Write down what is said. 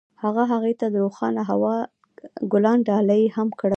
هغه هغې ته د روښانه هوا ګلان ډالۍ هم کړل.